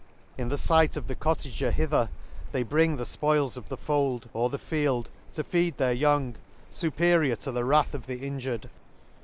In the fight of the cottager hither they bring the fpoils of the fold, or the field, to feed their young, fviperior to the wrath of the injured.